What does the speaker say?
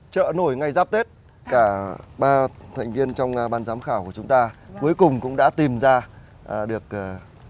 trợ nổi ngày giáp tết cả ba thành viên trong ban giám khảo của chúng ta cuối cùng cũng đã tìm ra được tác phẩm xuất sắc